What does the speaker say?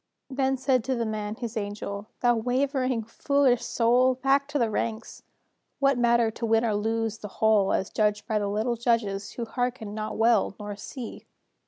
Then said to the man his angel: "Thou wavering, foolish soul, Back to the ranks! What matter To win or to lose the whole, "As judged by the little judges Who hearken not well, nor see?